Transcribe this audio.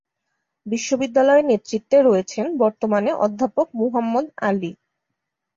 বিশ্ববিদ্যালয়ের নেতৃত্বে রয়েছেন বর্তমানে অধ্যাপক মুহাম্মদ আলী।